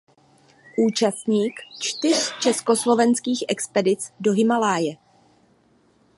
Účastník čtyř československých expedic do Himálaje.